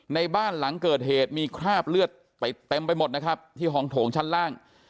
ในบ้านหลังเกิดเหตุมีคราบเลือดติดเต็มไปหมดนะครับที่ห้องโถงชั้นล่าง